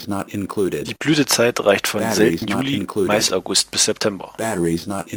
Die Blütezeit reicht von selten Juli, meist August bis September.